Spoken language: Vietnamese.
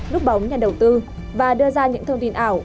núp bóng nhà đầu tư và đưa ra những thông tin ảo